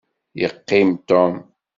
Yeqqim Tom.